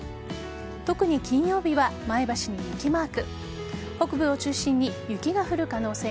特に金曜日は前橋に雪マーク。